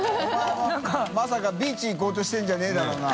まさかビーチ行こうとしてんじゃねぇだろうな？